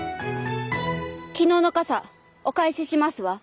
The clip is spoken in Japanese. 昨日の傘お返ししますわ。